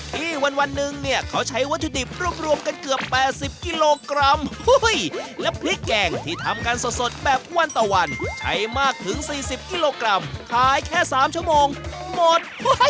ที่วันหนึ่งเนี่ยเขาใช้วัตถุดิบรวบรวมกันเกือบ๘๐กิโลกรัมและพริกแกงที่ทำกันสดแบบวันต่อวันใช้มากถึง๔๐กิโลกรัมขายแค่๓ชั่วโมงหมด